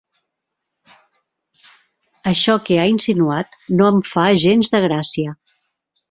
Això que ha insinuat no em fa gens de gràcia.